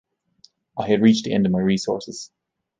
I had reached the end of my resources.